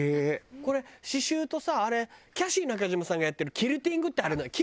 これ刺繍とさあれキャシー中島さんがやってるキルティングって。